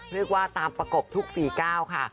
เรียกว่าตามประกบทุกฝีก้าวค่ะ